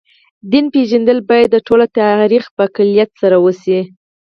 دین پېژندل باید د ټول تاریخ په کُلیت سره وشي.